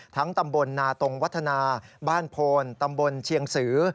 ตำบลนาตรงวัฒนาบ้านโพนตำบลเชียงสือ